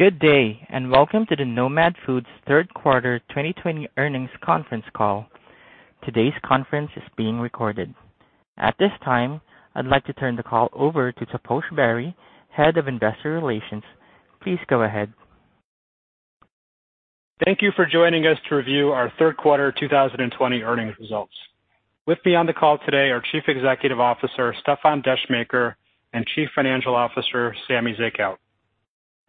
Good day, welcome to the Nomad Foods Third Quarter 2020 Earnings Conference Call. Today's conference is being recorded. At this time, I'd like to turn the call over to Taposh Bari, Head of Investor Relations. Please go ahead. Thank you for joining us to review our third quarter 2020 earnings results. With me on the call today are Chief Executive Officer, Stéfan Descheemaeker, and Chief Financial Officer, Samy Zekhout.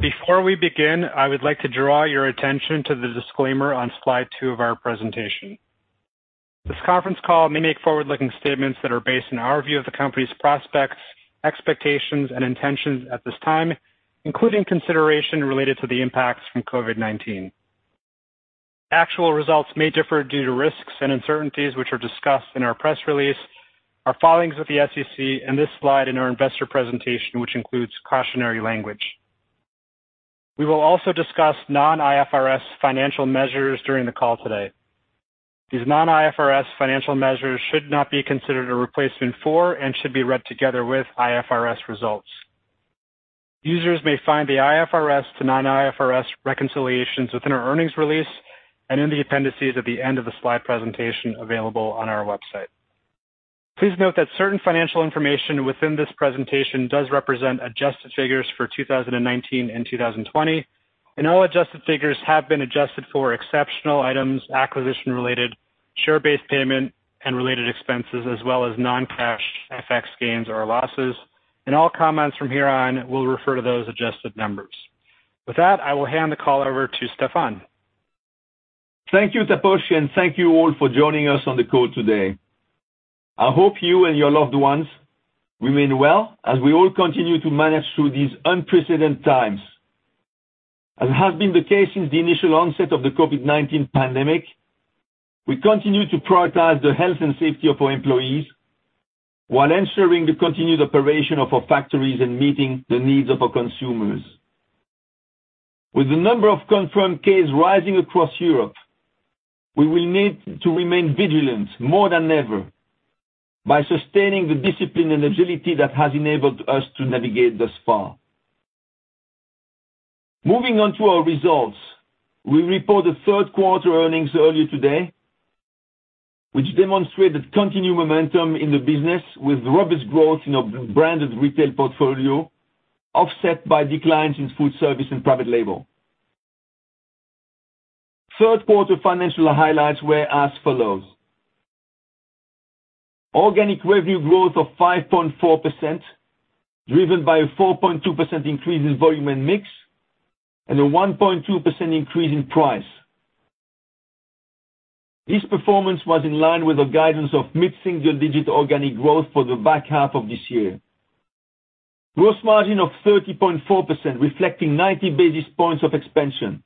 Before we begin, I would like to draw your attention to the disclaimer on slide two of our presentation. This conference call may make forward-looking statements that are based on our view of the company's prospects, expectations, and intentions at this time, including consideration related to the impacts from COVID-19. Actual results may differ due to risks and uncertainties which are discussed in our press release, our filings with the SEC, and this slide in our investor presentation, which includes cautionary language. We will also discuss non-IFRS financial measures during the call today. These non-IFRS financial measures should not be considered a replacement for and should be read together with IFRS results. Users may find the IFRS to non-IFRS reconciliations within our earnings release and in the appendices at the end of the slide presentation available on our website. Please note that certain financial information within this presentation does represent adjusted figures for 2019 and 2020, and all adjusted figures have been adjusted for exceptional items, acquisition-related share-based payment and related expenses, as well as non-cash FX gains or losses, and all comments from here on will refer to those adjusted numbers. With that, I will hand the call over to Stéfan. Thank you, Taposh, and thank you all for joining us on the call today. I hope you and your loved ones remain well as we all continue to manage through these unprecedented times. As has been the case since the initial onset of the COVID-19 pandemic, we continue to prioritize the health and safety of our employees while ensuring the continued operation of our factories and meeting the needs of our consumers. With the number of confirmed cases rising across Europe, we will need to remain vigilant more than ever by sustaining the discipline and agility that has enabled us to navigate thus far. Moving on to our results. We reported third quarter earnings earlier today, which demonstrated continued momentum in the business with robust growth in our branded retail portfolio, offset by declines in food service and private label. Third quarter financial highlights were as follows. Organic revenue growth of 5.4%, driven by a 4.2% increase in volume and mix, and a 1.2% increase in price. This performance was in line with our guidance of mid-single-digit organic growth for the back half of this year. Gross margin of 30.4%, reflecting 90 basis points of expansion.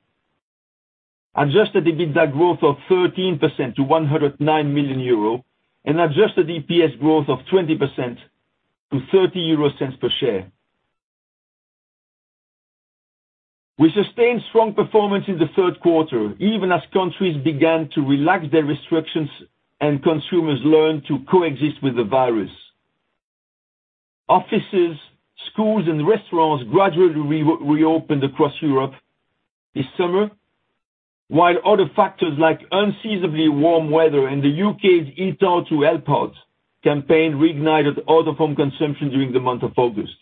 Adjusted EBITDA growth of 13% to 109 million euro, and adjusted EPS growth of 20% to 0.30 per share. We sustained strong performance in the third quarter, even as countries began to relax their restrictions and consumers learned to coexist with the virus. Offices, schools, and restaurants gradually reopened across Europe this summer, while other factors like unseasonably warm weather and the U.K.'s Eat Out to Help Out campaign reignited out-of-home consumption during the month of August.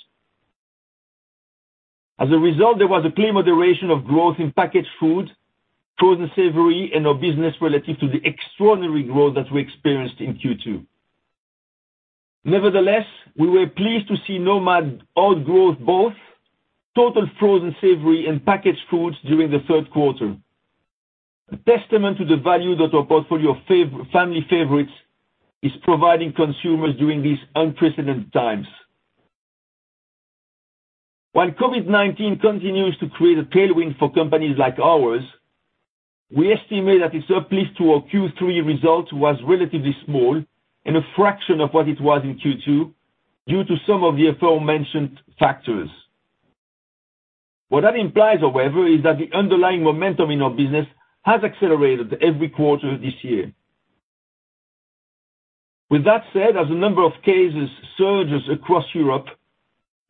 As a result, there was a clear moderation of growth in packaged food, frozen savory, and our business relative to the extraordinary growth that we experienced in Q2. Nevertheless, we were pleased to see Nomad outgrow both total frozen savory and packaged foods during the third quarter, a testament to the value that our portfolio of family favorites is providing consumers during these unprecedented times. While COVID-19 continues to create a tailwind for companies like ours, we estimate that its uplift to our Q3 results was relatively small and a fraction of what it was in Q2 due to some of the aforementioned factors. What that implies, however, is that the underlying momentum in our business has accelerated every quarter this year. With that said, as the number of cases surges across Europe,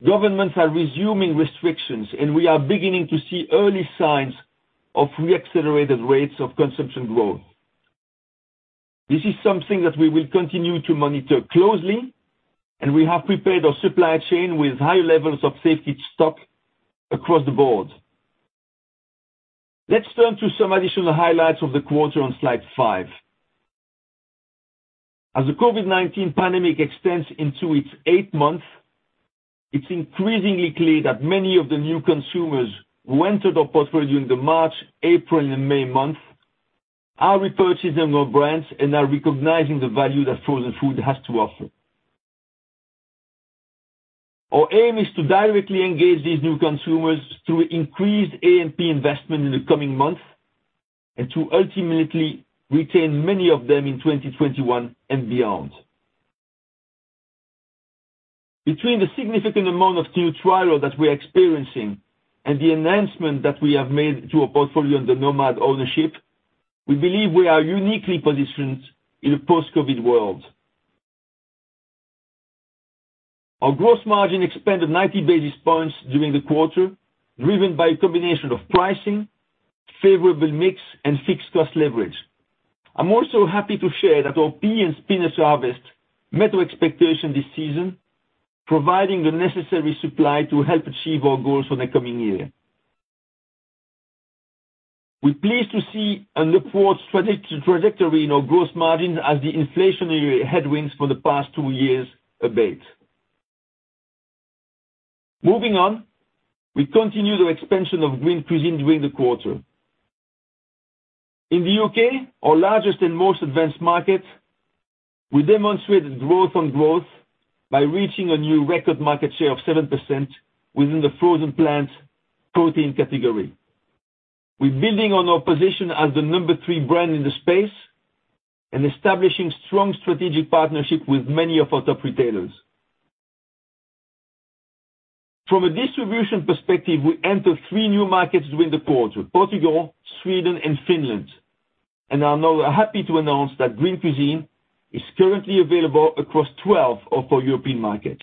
governments are resuming restrictions, and we are beginning to see early signs of re-accelerated rates of consumption growth. This is something that we will continue to monitor closely, and we have prepared our supply chain with high levels of safety stock across the board. Let's turn to some additional highlights of the quarter on slide five. As the COVID-19 pandemic extends into its eighth month, it's increasingly clear that many of the new consumers who entered our portfolio in the March, April, and May months are repurchasing our brands and are recognizing the value that frozen food has to offer. Our aim is to directly engage these new consumers through increased A&P investment in the coming months and to ultimately retain many of them in 2021 and beyond. Between the significant amount of new trial that we are experiencing and the enhancement that we have made to our portfolio under Nomad ownership, we believe we are uniquely positioned in a post-COVID world. Our gross margin expanded 90 basis points during the quarter, driven by a combination of pricing, favorable mix, and fixed cost leverage. I'm also happy to share that our pea and spinach harvest met our expectation this season, providing the necessary supply to help achieve our goals for the coming year. We're pleased to see an upwards trajectory in our gross margin as the inflationary headwinds for the past two years abate. Moving on, we continue the expansion of Green Cuisine during the quarter. In the U.K., our largest and most advanced market, we demonstrated growth on growth by reaching a new record market share of 7% within the frozen plant protein category. We're building on our position as the number 3 brand in the space and establishing strong strategic partnership with many of our top retailers. From a distribution perspective, we entered three new markets during the quarter, Portugal, Sweden, and Finland. Are now happy to announce that Green Cuisine is currently available across 12 of our European markets.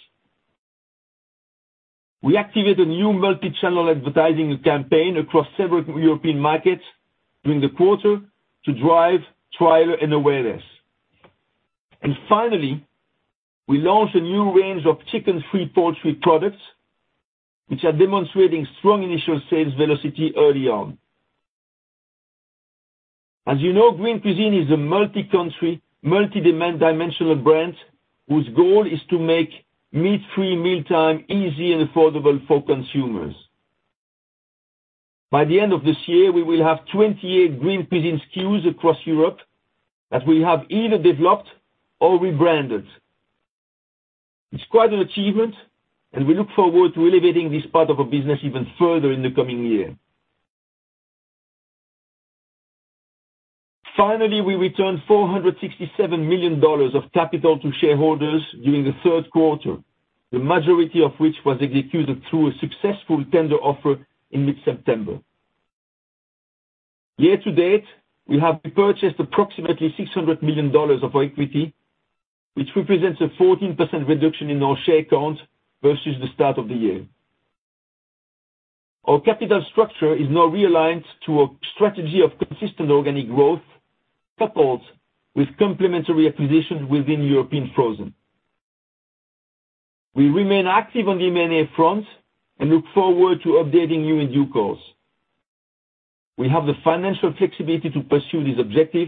We activated a new multi-channel advertising campaign across several European markets during the quarter to drive trial and awareness. Finally, we launched a new range of chicken-free poultry products, which are demonstrating strong initial sales velocity early on. As you know, Green Cuisine is a multi-country, multi-dimensional brand whose goal is to make meat-free mealtime easy and affordable for consumers. By the end of this year, we will have 28 Green Cuisine SKUs across Europe that we have either developed or rebranded. It's quite an achievement, and we look forward to elevating this part of our business even further in the coming year. Finally, we returned EUR 467 million of capital to shareholders during the third quarter, the majority of which was executed through a successful tender offer in mid-September. Year to date, we have repurchased approximately EUR 600 million of our equity, which represents a 14% reduction in our share count versus the start of the year. Our capital structure is now realigned to a strategy of consistent organic growth, coupled with complementary acquisitions within European Frozen. We remain active on the M&A front and look forward to updating you in due course. We have the financial flexibility to pursue this objective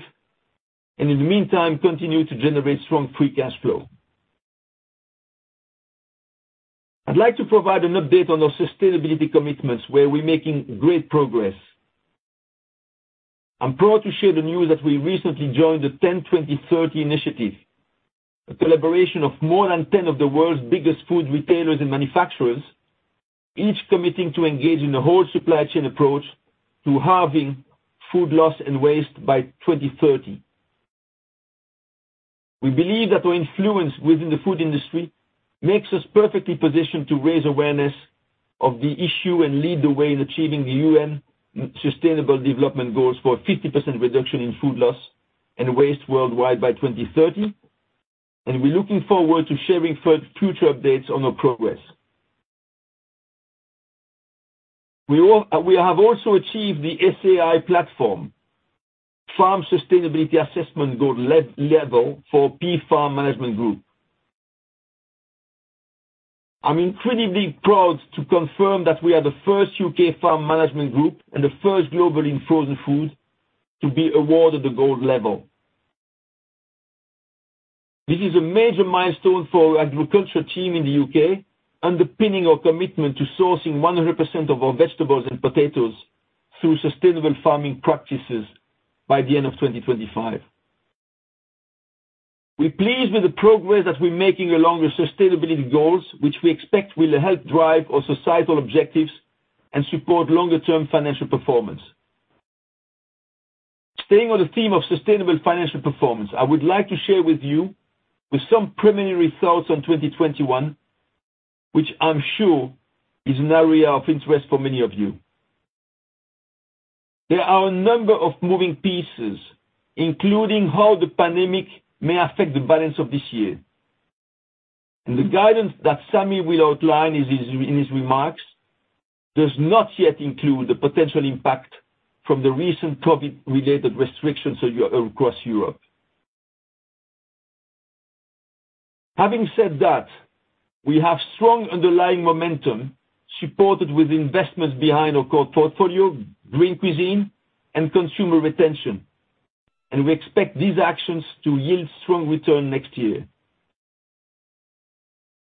and, in the meantime, continue to generate strong free cash flow. I'd like to provide an update on our sustainability commitments, where we're making great progress. I'm proud to share the news that we recently joined the 10x20x30 Initiative, a collaboration of more than 10 of the world's biggest food retailers and manufacturers, each committing to engage in a whole supply chain approach to halving food loss and waste by 2030. We believe that our influence within the food industry makes us perfectly positioned to raise awareness of the issue and lead the way in achieving the UN Sustainable Development Goals for a 50% reduction in food loss and waste worldwide by 2030. We're looking forward to sharing future updates on our progress. We have also achieved the SAI Platform, Farm Sustainability Assessment Gold Level for pea farm management group. I'm incredibly proud to confirm that we are the first U.K. farm management group and the first globally in frozen food to be awarded the Gold Level. This is a major milestone for our agriculture team in the U.K., underpinning our commitment to sourcing 100% of our vegetables and potatoes through sustainable farming practices by the end of 2025. We're pleased with the progress that we're making along with sustainability goals, which we expect will help drive our societal objectives and support longer-term financial performance. Staying on the theme of sustainable financial performance, I would like to share with you some preliminary thoughts on 2021, which I'm sure is an area of interest for many of you. There are a number of moving pieces, including how the pandemic may affect the balance of this year. The guidance that Samy will outline in his remarks does not yet include the potential impact from the recent COVID-related restrictions across Europe. Having said that, we have strong underlying momentum supported with investments behind our core portfolio, Green Cuisine, and consumer retention, and we expect these actions to yield strong return next year.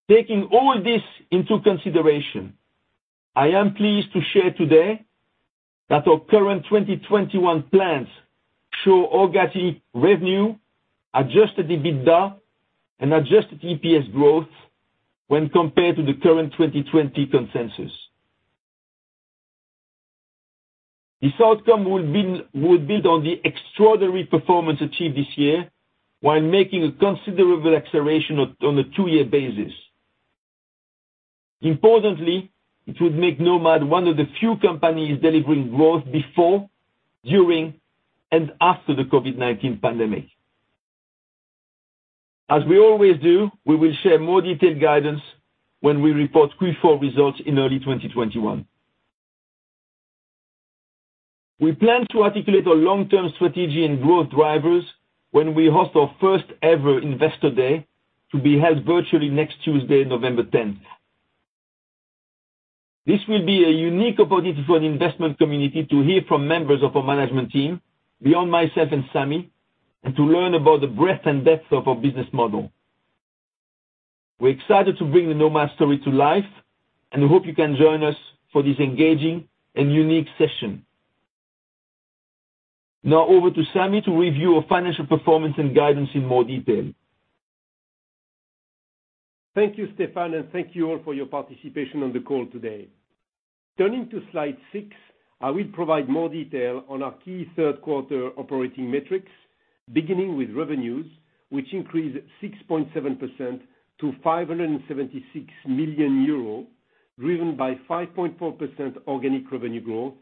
Taking all this into consideration, I am pleased to share today that our current 2021 plans show organic revenue, adjusted EBITDA, and adjusted EPS growth when compared to the current 2020 consensus. This outcome would build on the extraordinary performance achieved this year while making a considerable acceleration on the two-year basis. Importantly, it would make Nomad one of the few companies delivering growth before, during, and after the COVID-19 pandemic. As we always do, we will share more detailed guidance when we report Q4 results in early 2021. We plan to articulate our long-term strategy and growth drivers when we host our first ever investor day, to be held virtually next Tuesday, November 10th. This will be a unique opportunity for the investment community to hear from members of our management team, beyond myself and Samy, and to learn about the breadth and depth of our business model. We are excited to bring the Nomad story to life, and hope you can join us for this engaging and unique session. Now over to Samy to review our financial performance and guidance in more detail. Thank you, Stéfan, and thank you all for your participation on the call today. Turning to slide 6, I will provide more detail on our key third quarter operating metrics, beginning with revenues, which increased 6.7% to 576 million euros, driven by 5.4% organic revenue growth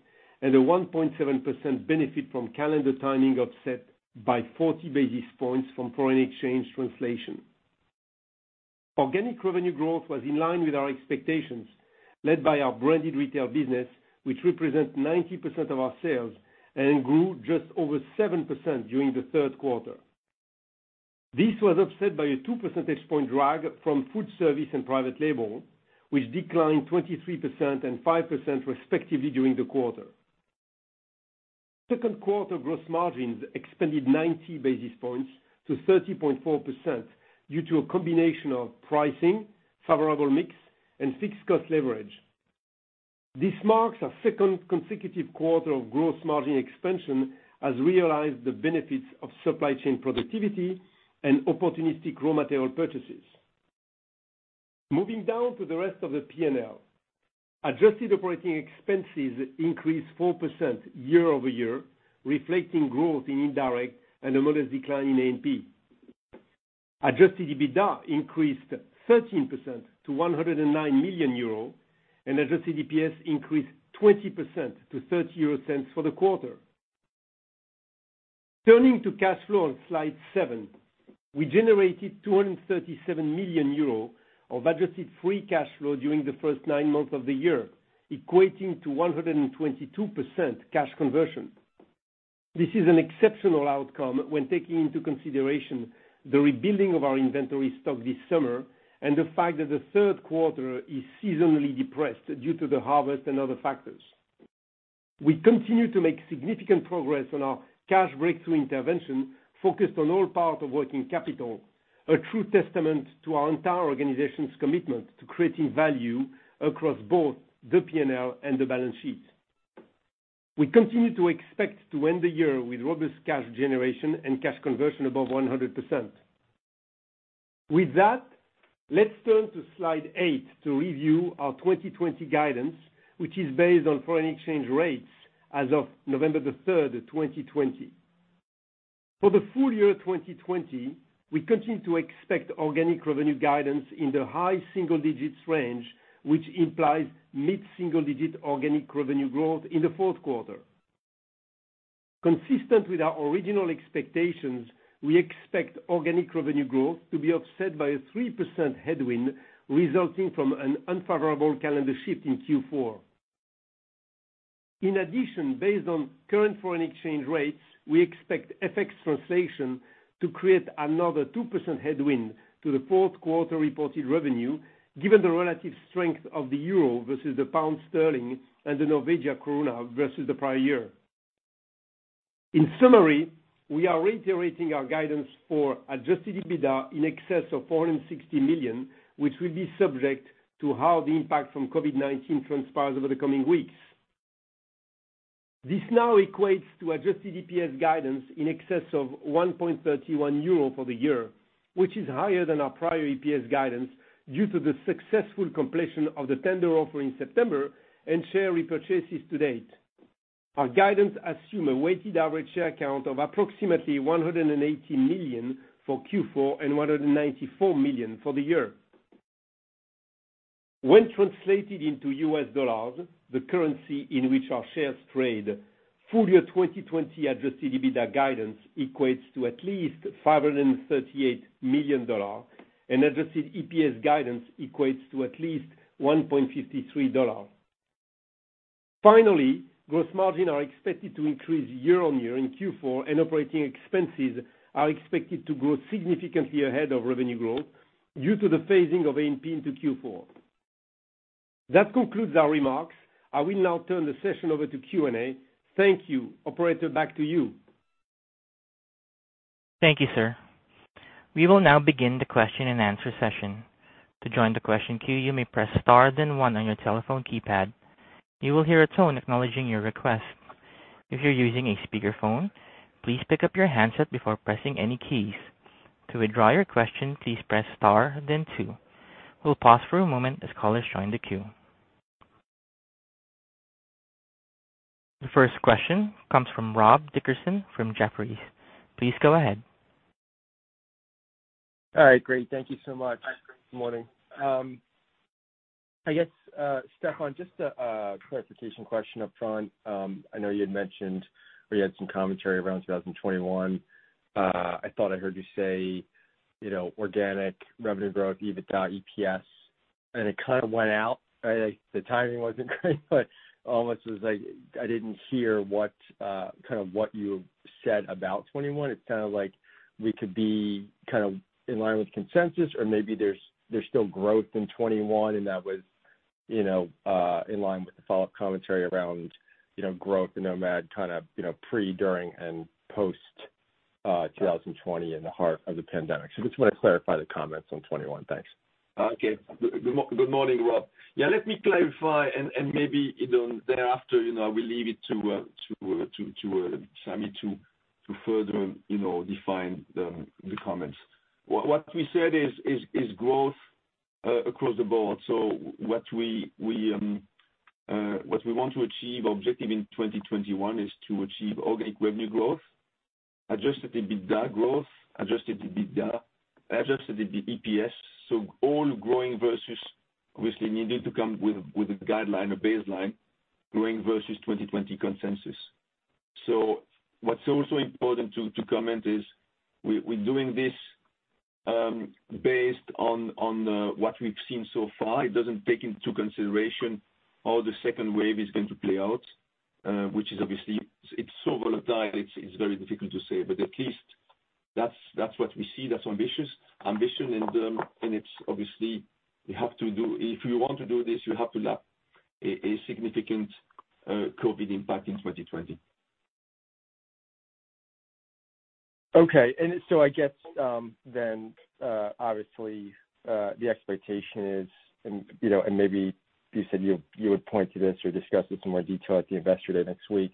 and a 1.7% benefit from calendar timing, offset by 40 basis points from foreign exchange translation. Organic revenue growth was in line with our expectations, led by our branded retail business, which represents 90% of our sales and grew just over 7% during the third quarter. This was offset by a two percentage point drag from food service and private label, which declined 23% and 5% respectively during the quarter. Second quarter gross margins expanded 90 basis points to 30.4% due to a combination of pricing, favorable mix, and fixed cost leverage. This marks our second consecutive quarter of gross margin expansion as we realize the benefits of supply chain productivity and opportunistic raw material purchases. Moving down to the rest of the P&L. Adjusted operating expenses increased 4% year-over-year, reflecting growth in indirect and a modest decline in A&P. Adjusted EBITDA increased 13% to 109 million euro, and adjusted EPS increased 20% to 0.30 for the quarter. Turning to cash flow on slide seven, we generated 237 million euro of adjusted free cash flow during the first nine months of the year, equating to 122% cash conversion. This is an exceptional outcome when taking into consideration the rebuilding of our inventory stock this summer and the fact that the third quarter is seasonally depressed due to the harvest and other factors. We continue to make significant progress on our Cash Breakthrough Intervention focused on all parts of working capital, a true testament to our entire organization's commitment to creating value across both the P&L and the balance sheet. We continue to expect to end the year with robust cash generation and cash conversion above 100%. With that, let's turn to slide eight to review our 2020 guidance, which is based on foreign exchange rates as of November 3rd of 2020. For the full year 2020, we continue to expect organic revenue guidance in the high single digits range, which implies mid-single digit organic revenue growth in the fourth quarter. Consistent with our original expectations, we expect organic revenue growth to be offset by a 3% headwind resulting from an unfavorable calendar shift in Q4. In addition, based on current foreign exchange rates, we expect FX translation to create another 2% headwind to the fourth quarter reported revenue, given the relative strength of the euro versus the pound sterling and the Norwegian kroner versus the prior year. In summary, we are reiterating our guidance for adjusted EBITDA in excess of 460 million, which will be subject to how the impact from COVID-19 transpires over the coming weeks. This now equates to adjusted EPS guidance in excess of 1.31 euro for the year, which is higher than our prior EPS guidance due to the successful completion of the tender offer in September and share repurchases to date. Our guidance assume a weighted average share count of approximately 180 million for Q4 and 194 million for the year. When translated into US dollars, the currency in which our shares trade, full year 2020 adjusted EBITDA guidance equates to at least $538 million, and adjusted EPS guidance equates to at least $1.53. Finally, gross margin are expected to increase year-over-year in Q4, and operating expenses are expected to grow significantly ahead of revenue growth due to the phasing of A&P into Q4. That concludes our remarks. I will now turn the session over to Q&A. Thank you. Operator, back to you. Thank you, sir. We will now begin the question and answer session. To join the question queue, you may press star then one on your telephone keypad. You will hear a tone acknowledging your request. If you're using a speakerphone, please pick up your handset before pressing any keys. To withdraw your question, please press star then two. Will pause for a moment as callers trying to queue. The first question comes from Rob Dickerson from Jefferies. Please go ahead. All right, great. Thank you so much. Good morning. I guess, Stéfan, just a clarification question upfront. I know you had mentioned or you had some commentary around 2021. I thought I heard you say organic revenue growth, EBITDA, EPS, and it kind of went out. The timing wasn't great, almost was like I didn't hear what you said about 2021. It's like we could be in line with consensus or maybe there's still growth in 2021, that was in line with the follow-up commentary around growth in Nomad pre, during, and post 2020 in the heart of the pandemic. Just want to clarify the comments on 2021. Thanks. Okay. Good morning, Rob. Yeah, let me clarify and maybe thereafter, I will leave it to Samy to further define the comments. What we said is growth across the board. What we want to achieve, objective in 2021 is to achieve organic revenue growth, adjusted EBITDA growth, adjusted EPS. All growing versus obviously needed to come with a guideline, a baseline growing versus 2020 consensus. What's also important to comment is we're doing this based on what we've seen so far. It doesn't take into consideration how the second wave is going to play out, which is obviously, it's so volatile, it's very difficult to say. At least that's what we see, that's ambitious. Ambition, it's obviously, if you want to do this, you have to lap a significant COVID impact in 2020. Okay. I guess, obviously, the expectation is, and maybe you said you would point to this or discuss this in more detail at the Investor Day next week.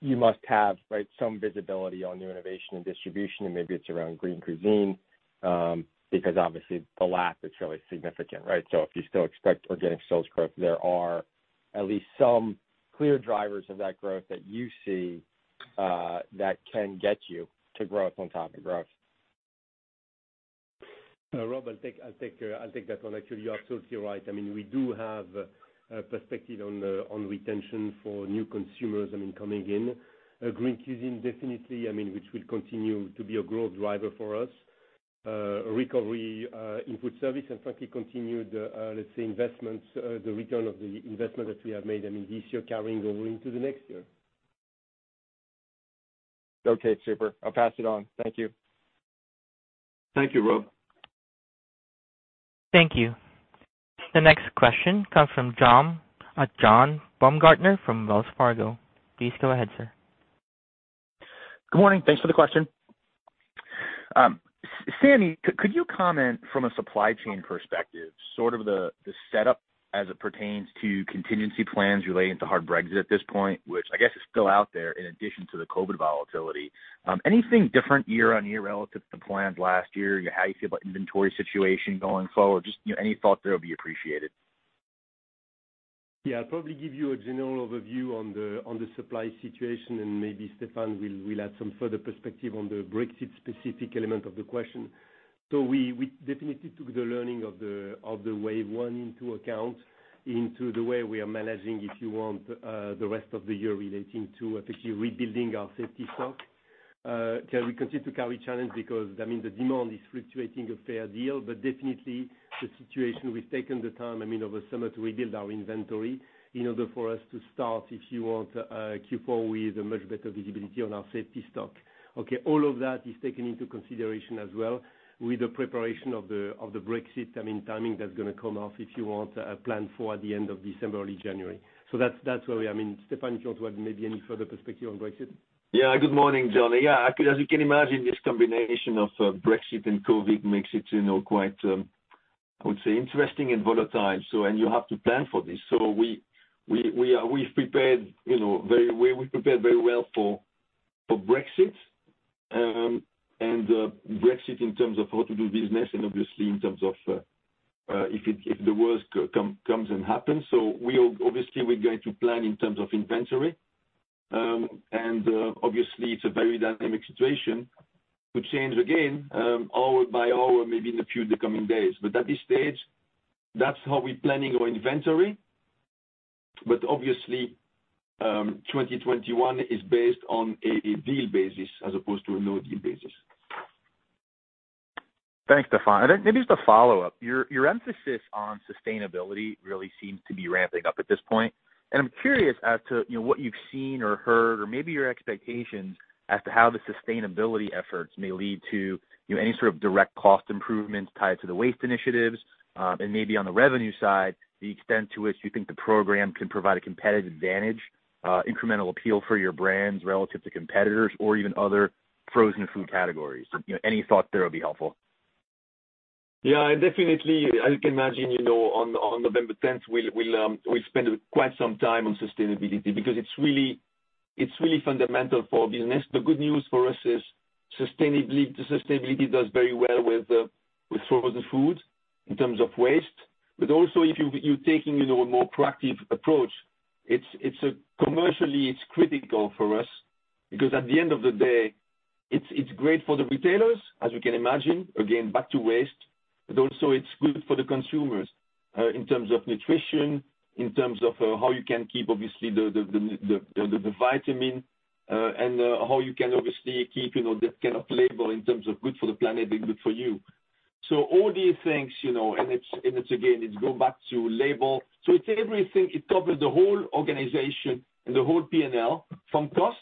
You must have some visibility on new innovation and distribution, and maybe it's around Green Cuisine, because obviously the lap is really significant, right? If you still expect organic sales growth, there are at least some clear drivers of that growth that you see that can get you to growth on top of growth. Rob, I'll take that one. Actually, you are totally right. We do have a perspective on retention for new consumers coming in. Green Cuisine definitely, which will continue to be a growth driver for us. frankly, continued, let's say, investments, the return of the investment that we have made this year carrying over into the next year. Okay, super. I'll pass it on. Thank you. Thank you, Rob. Thank you. The next question comes from John Baumgartner from Wells Fargo. Please go ahead, sir. Good morning. Thanks for the question. Samy, could you comment from a supply chain perspective, sort of the setup as it pertains to contingency plans relating to hard Brexit at this point, which I guess is still out there in addition to the COVID volatility? Anything different year-over-year relative to plans last year? How you feel about inventory situation going forward? Just any thought there will be appreciated. Yeah, I'll probably give you a general overview on the supply situation, and maybe Stéfan will add some further perspective on the Brexit specific element of the question. We definitely took the learning of the wave one into account into the way we are managing, if you want, the rest of the year relating to particularly rebuilding our safety stock. We continue to carry challenge because the demand is fluctuating a fair deal, but definitely the situation, we've taken the time, over summer to rebuild our inventory in order for us to start, if you want, Q4 with a much better visibility on our safety stock. Okay, all of that is taken into consideration as well with the preparation of the Brexit timing that's going to come off, if you want, planned for at the end of December, early January. That's where we are. Stéfan, if you want to add maybe any further perspective on Brexit. Yeah. Good morning, Jon. Yeah, as you can imagine, this combination of Brexit and COVID makes it quite, I would say, interesting and volatile, and you have to plan for this. We've prepared very well for Brexit, and Brexit in terms of how to do business and obviously in terms of if the worst comes and happens. Obviously, we're going to plan in terms of inventory. Obviously, it's a very dynamic situation to change again hour by hour, maybe in a few of the coming days. At this stage, that's how we're planning our inventory, but obviously, 2021 is based on a deal basis as opposed to a no-deal basis. Thanks, Stéfan. Maybe just a follow-up. Your emphasis on sustainability really seems to be ramping up at this point, and I'm curious as to what you've seen or heard or maybe your expectations as to how the sustainability efforts may lead to any sort of direct cost improvements tied to the waste initiatives, and maybe on the revenue side, the extent to which you think the program can provide a competitive advantage, incremental appeal for your brands relative to competitors or even other frozen food categories. Any thoughts there would be helpful. Yeah, definitely. As you can imagine, on November 10th, we'll spend quite some time on sustainability because it's really fundamental for business. The good news for us is the sustainability does very well with frozen food in terms of waste. Also, if you're taking a more proactive approach, commercially, it's critical for us, because at the end of the day, it's great for the retailers, as you can imagine, again, back to waste, but also it's good for the consumers, in terms of nutrition, in terms of how you can keep, obviously, the vitamin, and how you can obviously keep that kind of label in terms of good for the planet and good for you. All these things, and again, it go back to label. It's everything. It covers the whole organization and the whole P&L. From cost,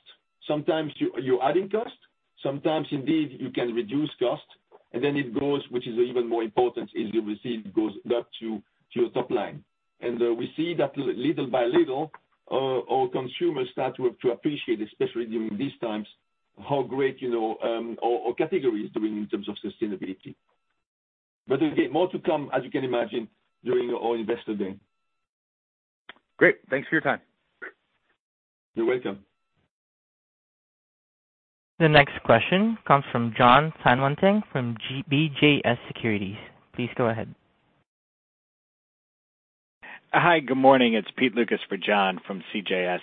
sometimes you're adding cost, sometimes indeed you can reduce cost, and then it goes, which is even more important, is you will see it goes back to your top line. We see that little by little, our consumers start to appreciate, especially during these times, how great our category is doing in terms of sustainability. Again, more to come, as you can imagine, during our Investor Day. Great. Thanks for your time. You're welcome. The next question comes from Jon Tanwanteng from CJS Securities. Please go ahead. Hi, good morning. It's Pete Lucas for John from CJS.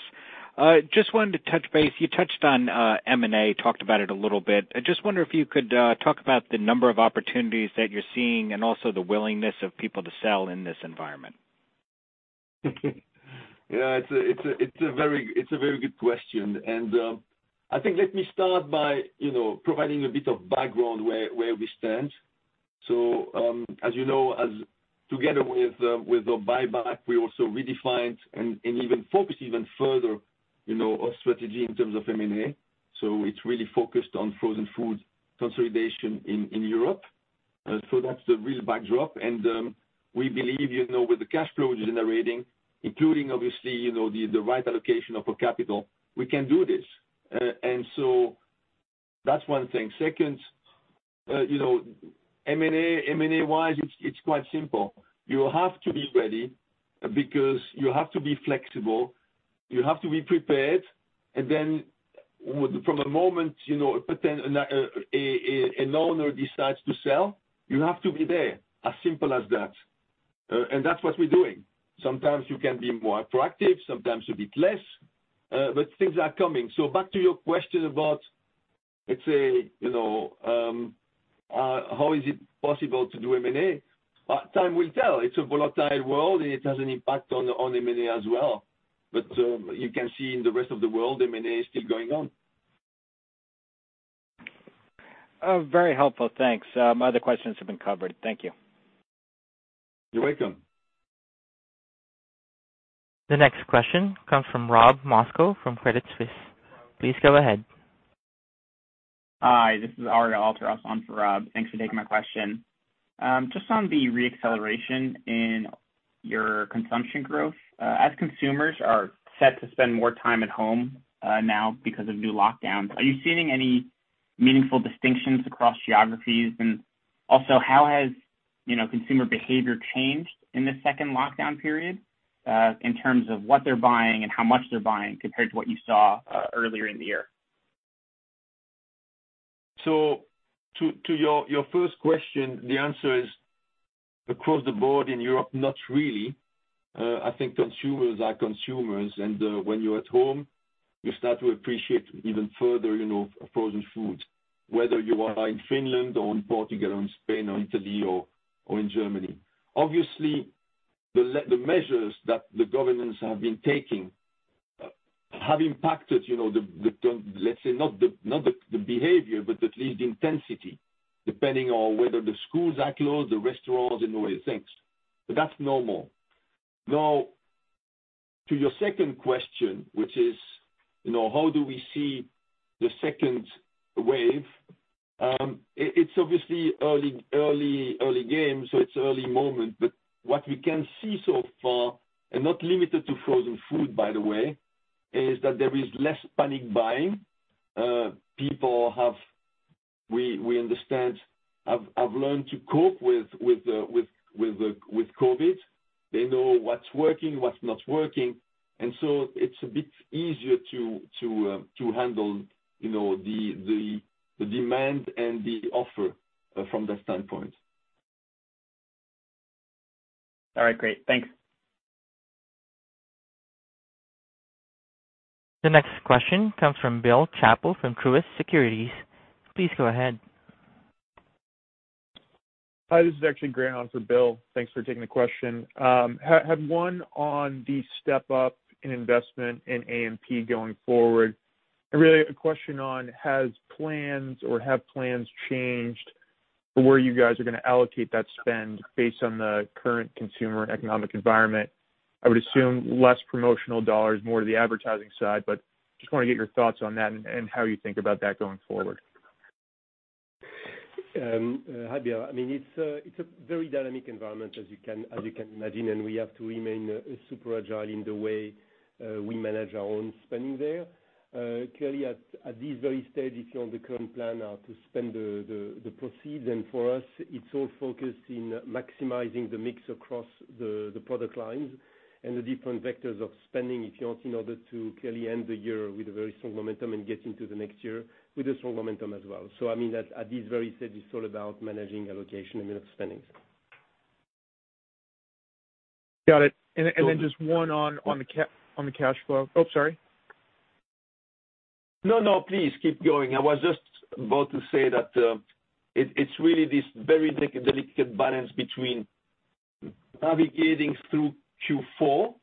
Just wanted to touch base. You touched on M&A, talked about it a little bit. I just wonder if you could talk about the number of opportunities that you're seeing and also the willingness of people to sell in this environment. Yeah, it's a very good question, and I think let me start by providing a bit of background where we stand. As you know, together with the buyback, we also redefined and even focused even further our strategy in terms of M&A. It's really focused on frozen food consolidation in Europe. That's the real backdrop, and we believe, with the cash flow generating, including obviously, the right allocation of our capital, we can do this. That's one thing. Second, M&A-wise, it's quite simple. You have to be ready because you have to be flexible, you have to be prepared, and then from the moment an owner decides to sell, you have to be there, as simple as that. That's what we're doing. Sometimes you can be more proactive, sometimes a bit less, but things are coming. Back to your question about, let's say, how is it possible to do M&A? Time will tell. It's a volatile world, and it has an impact on M&A as well. You can see in the rest of the world, M&A is still going on. Very helpful. Thanks. My other questions have been covered. Thank you. You're welcome. The next question comes from Rob Moskow from Credit Suisse. Please go ahead. Hi, this is Ariel Altaras on for Rob. Thanks for taking my question. Just on the re-acceleration in your consumption growth. As consumers are set to spend more time at home now because of new lockdowns, are you seeing any meaningful distinctions across geographies? Also, how has consumer behavior changed in this second lockdown period, in terms of what they're buying and how much they're buying compared to what you saw earlier in the year? To your first question, the answer is, across the board in Europe, not really. I think consumers are consumers, and when you are at home, you start to appreciate even further frozen foods, whether you are in Finland or in Portugal or in Spain or Italy or in Germany. Obviously, the measures that the governments have been taking have impacted, let's say, not the behavior, but at least the intensity, depending on whether the schools are closed, the restaurants and all these things. That's normal. To your second question, which is, how do we see the second wave? It's obviously early game, so it's early moment, but what we can see so far, and not limited to frozen food, by the way, is that there is less panic buying. People have, we understand, have learned to cope with COVID-19. They know what's working, what's not working. It's a bit easier to handle the demand and the offer from that standpoint. All right, great. Thanks. The next question comes from Bill Chappell from Truist Securities. Please go ahead. Hi, this is actually Grant on for Bill. Thanks for taking the question. Had one on the step up in investment in A&P going forward. Really, a question on, has plans or have plans changed for where you guys are going to allocate that spend based on the current consumer economic environment? I would assume less promotional EUR, more to the advertising side, but just want to get your thoughts on that and how you think about that going forward. Hi, Bill. It's a very dynamic environment, as you can imagine, and we have to remain super agile in the way we manage our own spending there. Clearly, at this very stage, if you're on the current plan now to spend the proceeds, then for us, it's all focused in maximizing the mix across the product lines and the different vectors of spending, if you want, in order to clearly end the year with a very strong momentum and get into the next year with a strong momentum as well. At this very stage, it's all about managing allocation and spendings. Got it. Then just one on the cash flow. Oh, sorry. No, please, keep going. I was just about to say that it's really this very delicate balance between navigating through Q4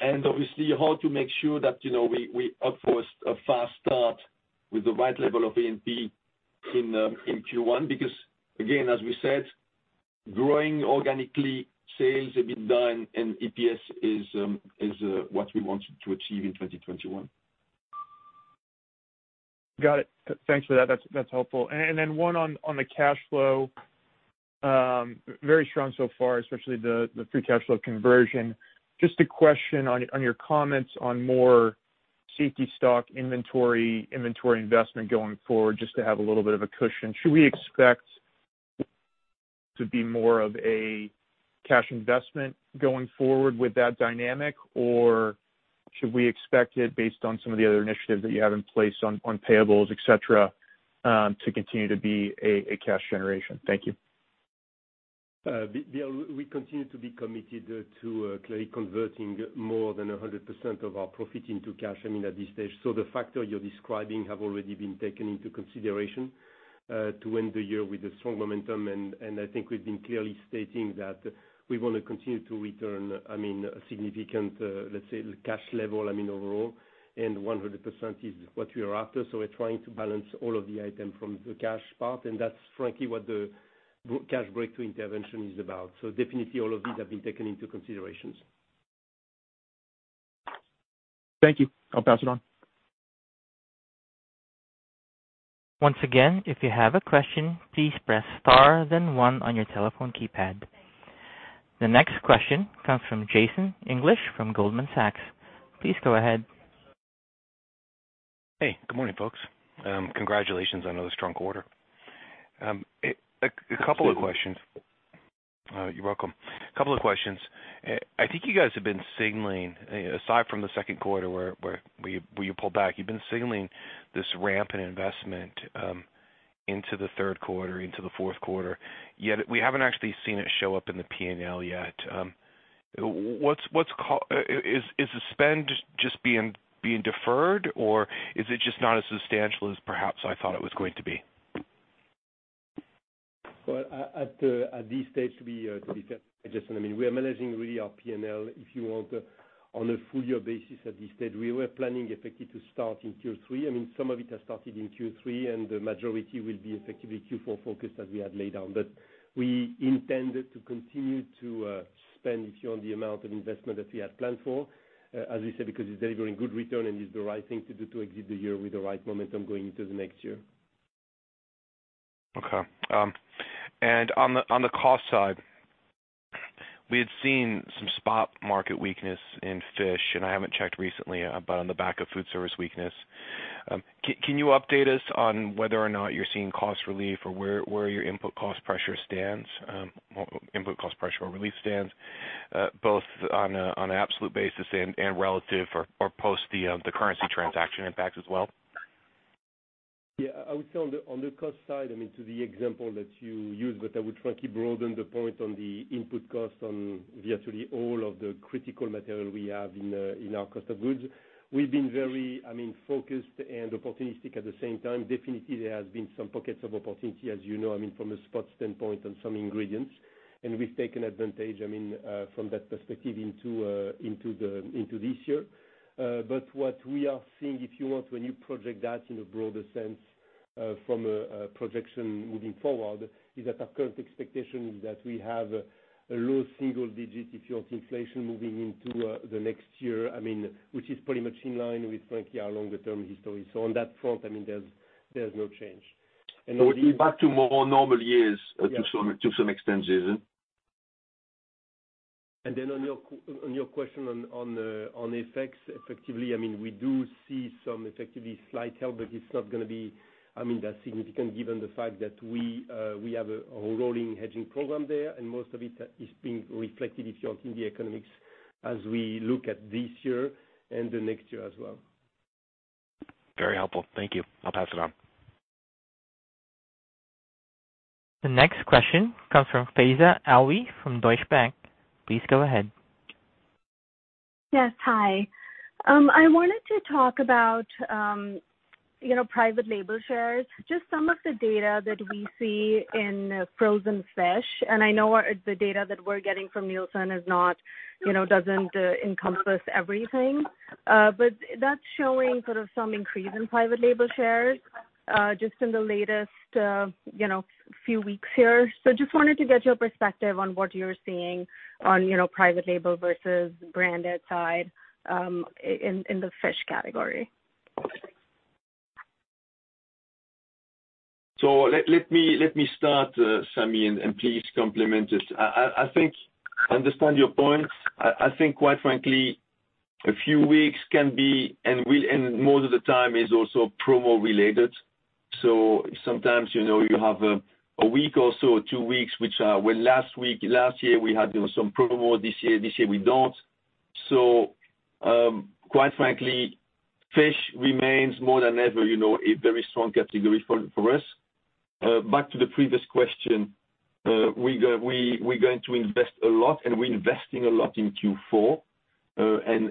and obviously how to make sure that we offer a fast start with the right level of A&P in Q1, because again, as we said, growing organically sales, EBITDA and EPS is what we want to achieve in 2021. Got it. Thanks for that. That's helpful. One on the cash flow. Very strong so far, especially the free cash flow conversion. Just a question on your comments on more safety stock inventory investment going forward just to have a little bit of a cushion. Should we expect to be more of a cash investment going forward with that dynamic, or should we expect it based on some of the other initiatives that you have in place on payables, et cetera, to continue to be a cash generation? Thank you. Bill, we continue to be committed to clearly converting more than 100% of our profit into cash, I mean, at this stage. The factor you're describing have already been taken into consideration, to end the year with a strong momentum. I think we've been clearly stating that we want to continue to return a significant, let's say, cash level, I mean, overall, and 100% is what we are after. We're trying to balance all of the item from the cash part, and that's frankly what the Cash Breakthrough Intervention is about. Definitely all of these have been taken into considerations. Thank you. I'll pass it on. Once again, if you have a question, please press star then one on your telephone keypad. The next question comes from Jason English from Goldman Sachs. Please go ahead. Hey, good morning, folks. Congratulations on another strong quarter. A couple of questions. Thank you. You're welcome. A couple of questions. I think you guys have been signaling, aside from the second quarter where you pulled back, you've been signaling this ramp in investment into the third quarter, into the fourth quarter, yet we haven't actually seen it show up in the P&L yet. Is the spend just being deferred, or is it just not as substantial as perhaps I thought it was going to be? Well, at this stage, to be fair, Jason, we are managing really our P&L, if you want, on a full year basis at this stage. We were planning effectively to start in Q3. Some of it has started in Q3, and the majority will be effectively Q4 focused as we had laid out. We intended to continue to spend, if you want, the amount of investment that we had planned for. As we said, because it's delivering good return and is the right thing to do to exit the year with the right momentum going into the next year. Okay. On the cost side, we had seen some spot market weakness in fish, and I haven't checked recently, but on the back of food service weakness. Can you update us on whether or not you're seeing cost relief or where your input cost pressure or relief stands, both on an absolute basis and relative or post the currency transaction impact as well? Yeah, I would say on the cost side, to the example that you used, but I would frankly broaden the point on the input cost on virtually all of the critical material we have in our cost of goods. We've been very focused and opportunistic at the same time. Definitely, there has been some pockets of opportunity, as you know, from a spot standpoint on some ingredients. We've taken advantage from that perspective into this year. What we are seeing, if you want, when you project that in a broader sense from a projection moving forward, is that our current expectation is that we have a low single digit, if you want, inflation moving into the next year, which is pretty much in line with frankly our longer-term history. On that front, there's no change. We'll be back to more normal years to some extent, Jason. On your question on FX, we do see some effectively slight help, but it is not going to be that significant given the fact that we have a rolling hedging program there, and most of it is being reflected, if you want, in the economics as we look at this year and the next year as well. Very helpful. Thank you. I'll pass it on. The next question comes from Faiza Alwy from Deutsche Bank. Please go ahead. Yes. Hi. I wanted to talk about private label shares, just some of the data that we see in frozen fish. I know the data that we're getting from Nielsen doesn't encompass everything. That's showing sort of some increase in private label shares, just in the latest few weeks here. Just wanted to get your perspective on what you're seeing on private label versus branded side in the fish category. Let me start, Samy, and please complement it. I think I understand your point. I think, quite frankly, a few weeks can be, and most of the time is also promo related. Sometimes, you have a week or so, two weeks, which last week, last year, we had some promo this year, this year we don't. Quite frankly, fish remains more than ever a very strong category for us. Back to the previous question, we're going to invest a lot, and we're investing a lot in Q4,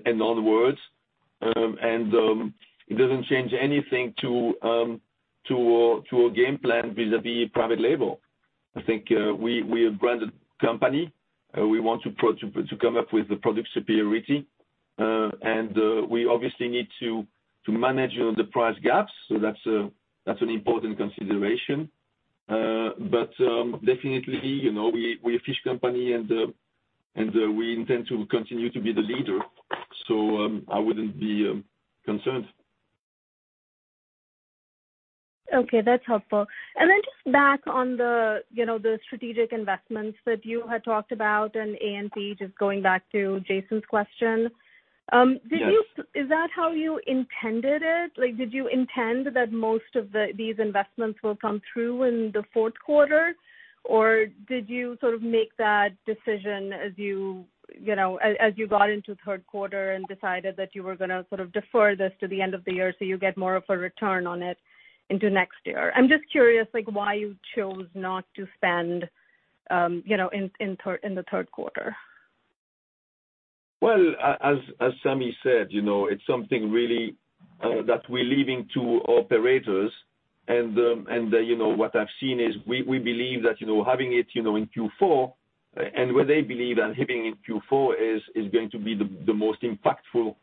in other words. It doesn't change anything to our game plan vis-à-vis private label. I think we're a branded company. We want to come up with the product superiority. We obviously need to manage the price gaps, so that's an important consideration. Definitely, we're a fish company, and we intend to continue to be the leader. I wouldn't be concerned. Okay, that's helpful. Then just back on the strategic investments that you had talked about and A&P, just going back to Jason's question. Yes. Is that how you intended it? Did you intend that most of these investments will come through in the fourth quarter? Did you sort of make that decision as you got into third quarter and decided that you were going to sort of defer this to the end of the year, so you get more of a return on it into next year? I'm just curious why you chose not to spend in the third quarter. Well, as Samy said, it's something really that we're leaving to operators. What I've seen is we believe that having it in Q4, and where they believe that having it in Q4 is going to be the most impactful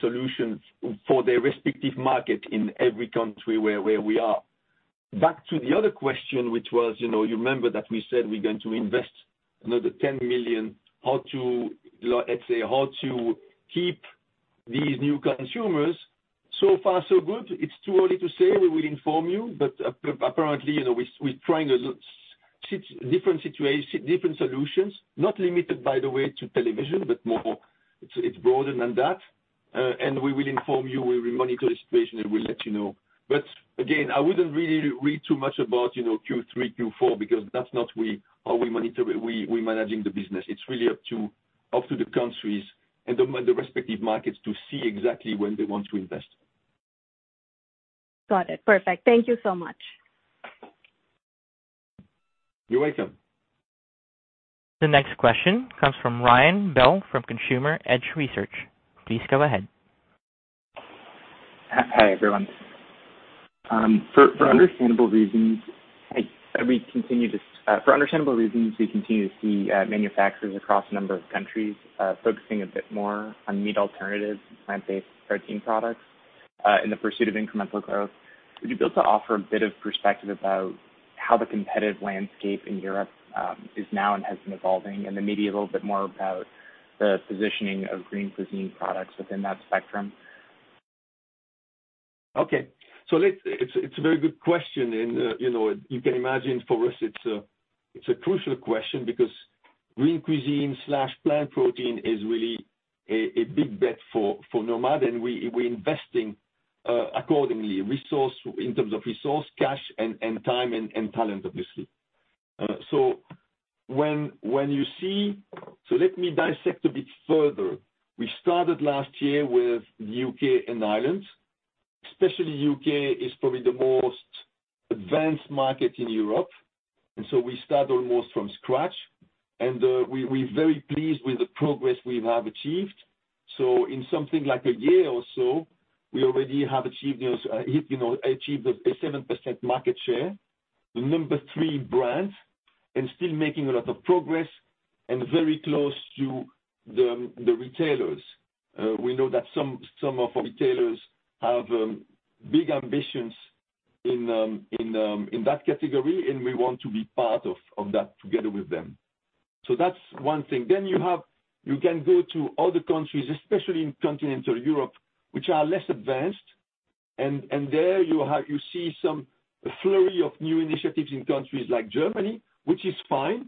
solution for their respective market in every country where we are. Back to the other question, which was, you remember that we said we're going to invest another 10 million, let's say, how to keep these new consumers. Far, so good. It's too early to say we will inform you, apparently, we're trying different solutions, not limited, by the way, to television. It's broader than that. We will inform you, we will monitor the situation, and we'll let you know. Again, I wouldn't really read too much about Q3, Q4, because that's not how we're managing the business. It's really up to the countries and the respective markets to see exactly when they want to invest. Got it. Perfect. Thank you so much. You're welcome. The next question comes from Ryan Bell from Consumer Edge Research. Please go ahead. Hi, everyone. For understandable reasons, we continue to see manufacturers across a number of countries focusing a bit more on meat alternatives and plant-based protein products in the pursuit of incremental growth. Would you be able to offer a bit of perspective about how the competitive landscape in Europe is now and has been evolving, and then maybe a little bit more about the positioning of Green Cuisine products within that spectrum? Okay. It's a very good question. You can imagine for us, it's a crucial question because Green Cuisine/plant protein is really a big bet for Nomad, and we're investing accordingly in terms of resource, cash, time, and talent, obviously. Let me dissect a bit further. We started last year with the U.K. and Ireland, especially U.K. is probably the most advanced market in Europe. We start almost from scratch. We're very pleased with the progress we have achieved. In something like a year or so, we already have achieved a 7% market share, the number 3 brand, and still making a lot of progress and very close to the retailers. We know that some of our retailers have big ambitions in that category, and we want to be part of that together with them. That's one thing. You can go to other countries, especially in continental Europe, which are less advanced. There you see some flurry of new initiatives in countries like Germany, which is fine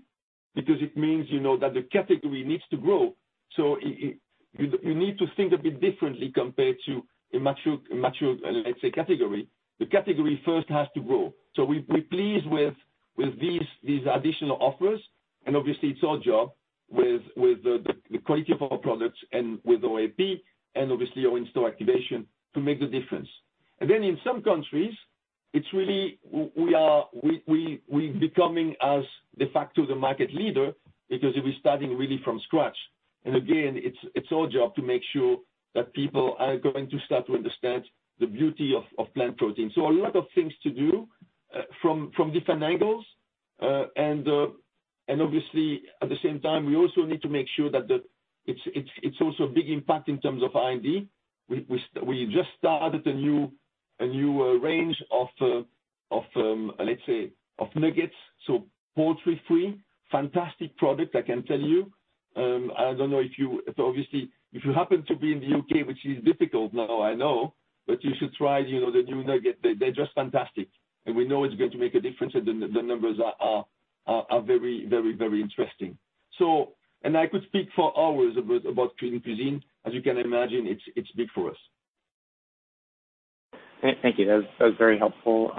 because it means that the category needs to grow. You need to think a bit differently compared to a mature, let's say, category. The category first has to grow. We're pleased with these additional offers, and obviously it's our job with the quality of our products and with our IP and obviously our in-store activation to make the difference. In some countries, we're becoming as de facto the market leader because we're starting really from scratch. Again, it's our job to make sure that people are going to start to understand the beauty of plant protein. A lot of things to do from different angles. Obviously, at the same time, we also need to make sure that it's also a big impact in terms of R&D. We just started a new range, let's say, of nuggets, so poultry free, fantastic product, I can tell you. Obviously, if you happen to be in the U.K., which is difficult now, I know, but you should try the new nugget. They're just fantastic. We know it's going to make a difference, and the numbers are very interesting. I could speak for hours about Green Cuisine. As you can imagine, it's big for us. Thank you. That was very helpful.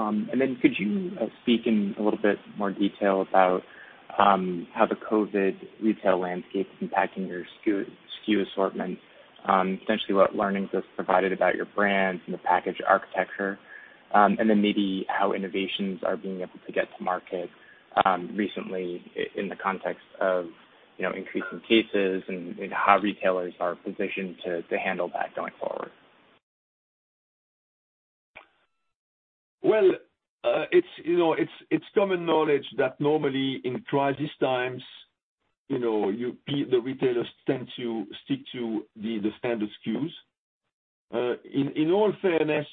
Could you speak in a little bit more detail about how the COVID retail landscape is impacting your SKU assortment, essentially what learnings this provided about your brands and the package architecture, and maybe how innovations are being able to get to market recently in the context of increasing cases and how retailers are positioned to handle that going forward? It's common knowledge that normally in crisis times, the retailers tend to stick to the standard SKUs. In all fairness,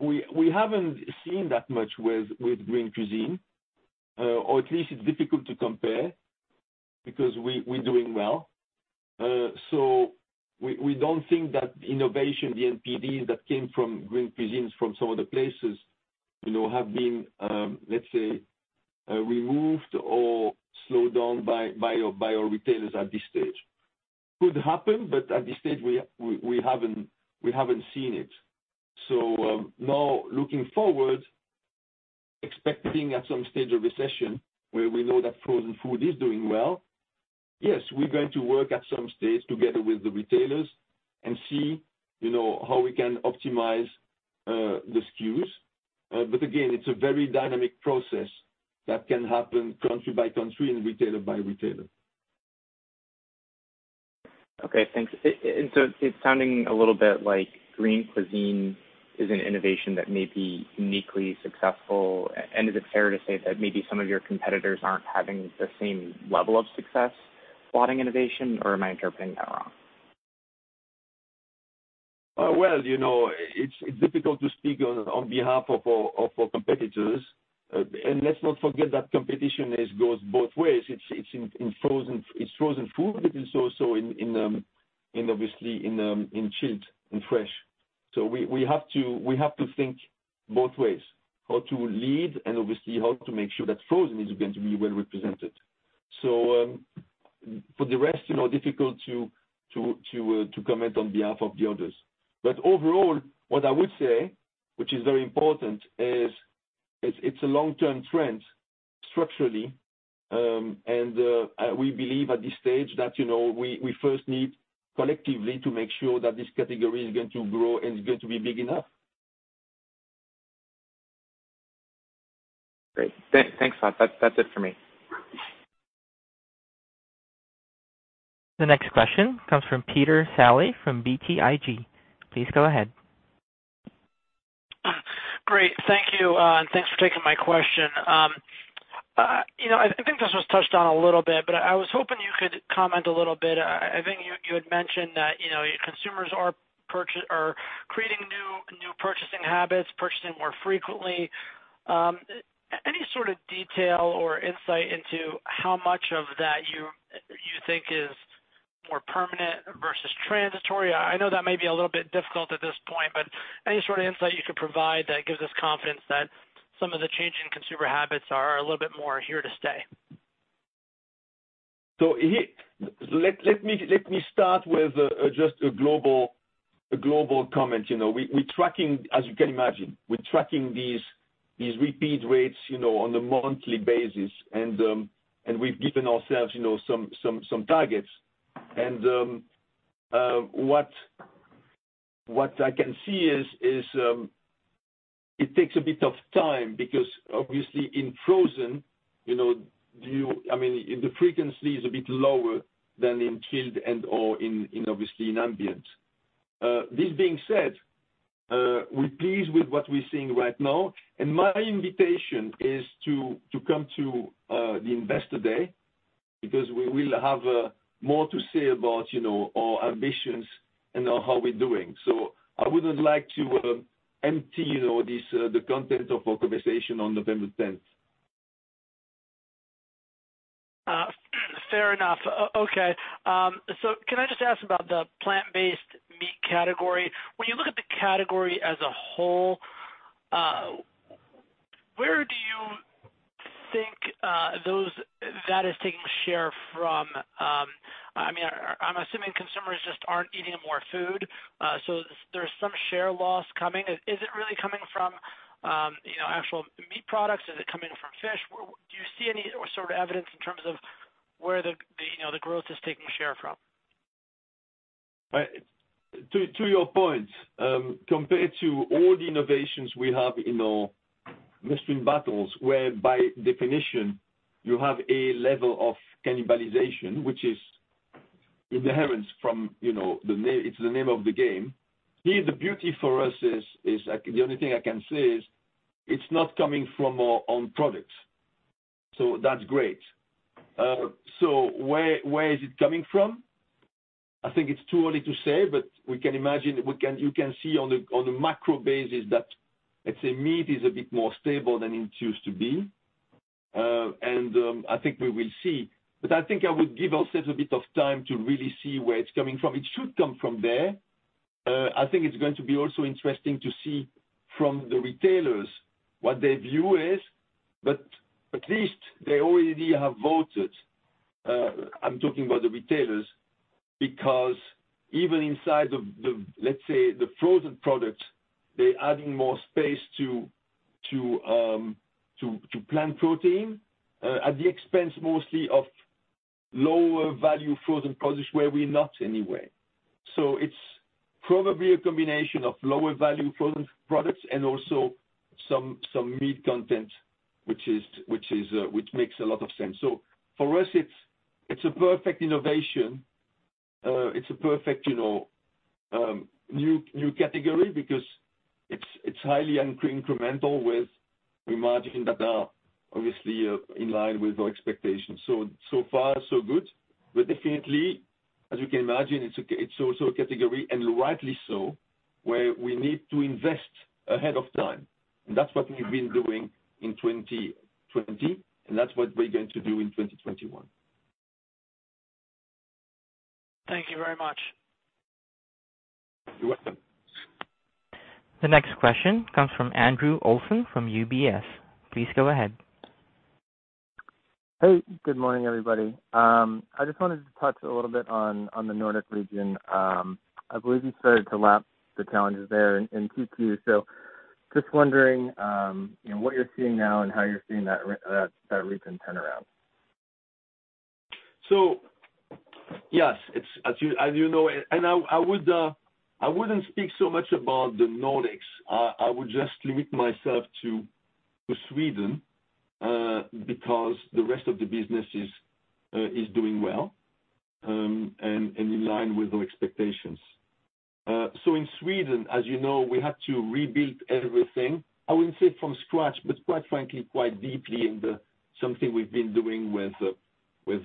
we haven't seen that much with Green Cuisine. Or at least it's difficult to compare because we're doing well. We don't think that innovation, the NPD that came from Green Cuisine from some of the places have been, let's say, removed or slowed down by our retailers at this stage. Could happen, but at this stage we haven't seen it. Now looking forward, expecting at some stage a recession where we know that frozen food is doing well, yes, we're going to work at some stage together with the retailers and see how we can optimize the SKUs. Again, it's a very dynamic process that can happen country by country and retailer by retailer. Okay, thanks. It's sounding a little bit like Green Cuisine is an innovation that may be uniquely successful. Is it fair to say that maybe some of your competitors aren't having the same level of success spotting innovation, or am I interpreting that wrong? Well, it's difficult to speak on behalf of our competitors. Let's not forget that competition goes both ways. It's in frozen food, but it's also obviously in chilled and fresh. We have to think both ways, how to lead and obviously how to make sure that frozen is going to be well represented. For the rest, difficult to comment on behalf of the others. Overall, what I would say, which is very important, is it's a long-term trend structurally. We believe at this stage that we first need collectively to make sure that this category is going to grow and is going to be big enough. Great. Thanks, Stéfan. That's it for me. The next question comes from Peter Saleh from BTIG. Please go ahead. Great. Thank you. Thanks for taking my question. I think this was touched on a little bit. I was hoping you could comment a little bit. I think you had mentioned that your consumers are creating new purchasing habits, purchasing more frequently. Any sort of detail or insight into how much of that you think is more permanent versus transitory? I know that may be a little bit difficult at this point. Any sort of insight you could provide that gives us confidence that some of the change in consumer habits are a little bit more here to stay. Let me start with just a global comment. We're tracking, as you can imagine, we're tracking these repeat rates on a monthly basis, and we've given ourselves some targets. What I can see is, it takes a bit of time because obviously in frozen, the frequency is a bit lower than in chilled and/or obviously in ambient. This being said, we're pleased with what we're seeing right now, and my invitation is to come to the investor day because we will have more to say about our ambitions and how we're doing. I wouldn't like to empty the content of our conversation on November 10th. Fair enough. Okay. Can I just ask about the plant-based meat category? When you look at the category as a whole, where do you think that is taking share from? I'm assuming consumers just aren't eating more food, so there's some share loss coming. Is it really coming from actual meat products? Is it coming from fish? Do you see any sort of evidence in terms of where the growth is taking share from? To your point, compared to all the innovations we have in our western battles, where by definition you have a level of cannibalization, which is inherent from, it's the name of the game. Here, the beauty for us is, the only thing I can say is, it's not coming from our own products. That's great. Where is it coming from? I think it's too early to say, but we can imagine, you can see on the macro basis that, let's say meat is a bit more stable than it used to be. I think we will see. I think I would give ourselves a bit of time to really see where it's coming from. It should come from there. I think it's going to be also interesting to see from the retailers what their view is, but at least they already have voted. I'm talking about the retailers, because even inside of, let's say, the frozen products, they're adding more space to plant protein, at the expense mostly of lower value frozen products where we're not anyway. It's probably a combination of lower value frozen products and also some meat content, which makes a lot of sense. For us, it's a perfect innovation. It's a perfect new category because it's highly incremental with margins that are obviously in line with our expectations. So far so good. Definitely, as you can imagine, it's also a category, and rightly so, where we need to invest ahead of time. That's what we've been doing in 2020, and that's what we're going to do in 2021. Thank you very much. You're welcome. The next question comes from Andrew Olsen from UBS. Please go ahead. Hey, good morning, everybody. I just wanted to touch a little bit on the Nordic region. I believe you started to lap the challenges there in Q2. Just wondering, what you're seeing now and how you're seeing that recent turnaround? Yes. I wouldn't speak so much about the Nordics. I would just limit myself to Sweden, because the rest of the business is doing well, in line with our expectations. In Sweden, as you know, we had to rebuild everything, I wouldn't say from scratch, but quite frankly, quite deeply, something we've been doing with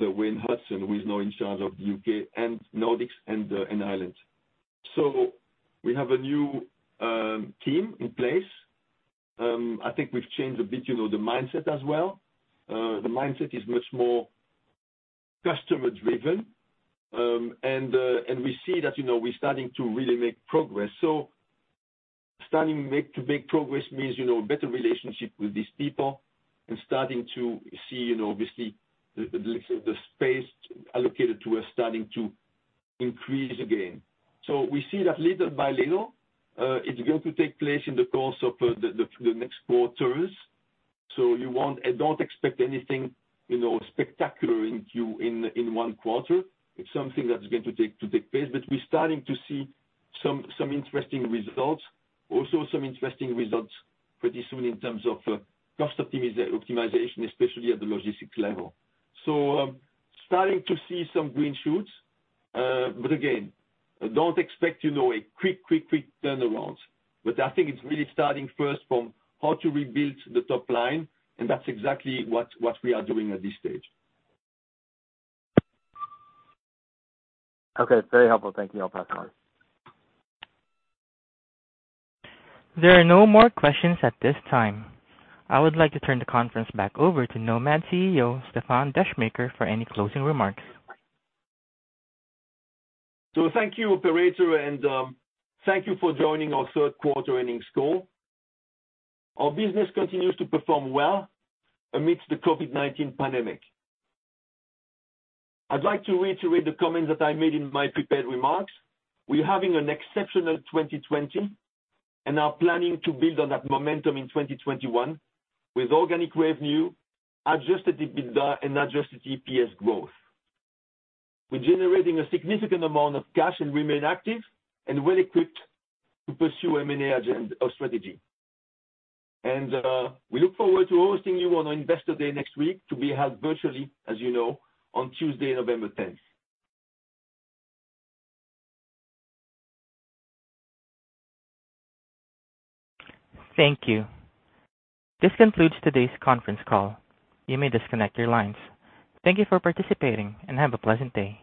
Wayne Hudson, who is now in charge of U.K. and Nordics and Ireland. We have a new team in place. I think we've changed a bit the mindset as well. The mindset is much more customer driven. We see that we're starting to really make progress. Starting to make progress means a better relationship with these people and starting to see, obviously, the space allocated to us starting to increase again. We see that little by little. It's going to take place in the course of the next quarters. Don't expect anything spectacular in one quarter. It's something that's going to take place. We're starting to see some interesting results. Also some interesting results pretty soon in terms of cost optimization, especially at the logistics level. Starting to see some green shoots. Again, don't expect a quick turnaround. I think it's really starting first from how to rebuild the top line, and that's exactly what we are doing at this stage. Okay, very helpful. Thank you. I'll pass the line. There are no more questions at this time. I would like to turn the conference back over to Nomad CEO, Stéfan Descheemaeker, for any closing remarks. Thank you, operator, and thank you for joining our third quarter earnings call. Our business continues to perform well amidst the COVID-19 pandemic. I'd like to reiterate the comment that I made in my prepared remarks. We're having an exceptional 2020 and are planning to build on that momentum in 2021 with organic revenue, adjusted EBITDA, and adjusted EPS growth. We're generating a significant amount of cash and remain active and well equipped to pursue M&A strategy. We look forward to hosting you on our Investor Day next week to be held virtually, as you know, on Tuesday, November 10th. Thank you. This concludes today's conference call. You may disconnect your lines. Thank you for participating and have a pleasant day.